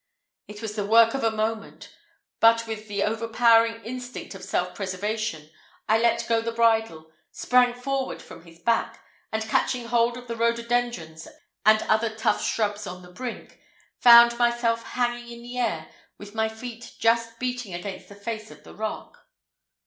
It was the work of a moment; but, with the overpowering instinct of self preservation, I let go the bridle, sprang forward from his back, and catching hold of the rhododendrons and other tough shrubs on the brink, found myself hanging in the air with my feet just beating against the face of the rock.